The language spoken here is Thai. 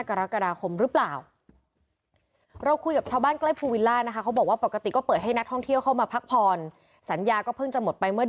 กรกฎาคมหรือเปล่าเราคุยกับชาวบ้านใกล้ภูวิลล่านะคะ